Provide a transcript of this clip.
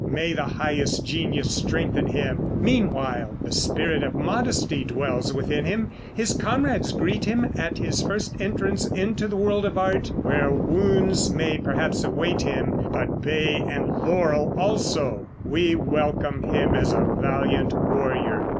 May the highest genius strengthen him! Meanwhile the spirit of modesty dwells within him. His comrades greet him at his first entrance into the world of art, where wounds may perhaps await him, but bay and laurel also; we welcome him as a valiant warrior."